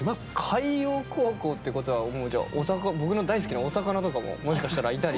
海洋高校ってことはもうじゃあ僕の大好きなお魚とかももしかしたらいたり。